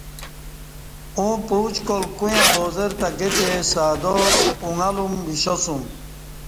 اوں بعوچکال کویاں بازارتہ گہ تے سادا اوݣہ لوم ویشاسوم